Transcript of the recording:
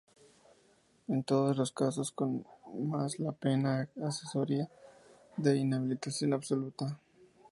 En todos los casos con más la pena accesoria de inhabilitación absoluta.